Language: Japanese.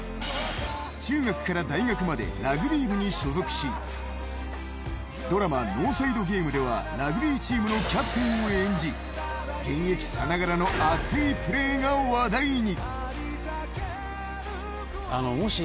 中学から大学までラグビー部に所属し、ドラマ「ノーサイド・ゲーム」ではラグビーチームのキャプテンを演じ現役さながらの熱いプレーが話題に。